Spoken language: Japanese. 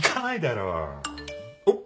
おっ。